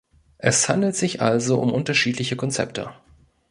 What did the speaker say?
Es handelt sich also um unterschiedliche Konzepte.